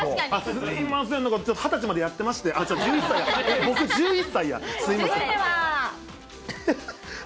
すみません、２０歳までやってまして、僕１１続いては。